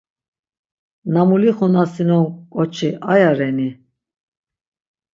Na mulixunasinon ǩoçi aya reni?